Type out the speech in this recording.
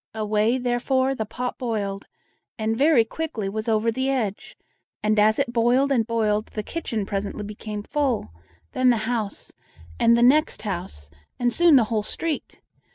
Away, therefore, the pot boiled, and very quickly was over the edge; and as it boiled and boiled the kitchen presently became full, then the house, and the next house, and soon the whole street.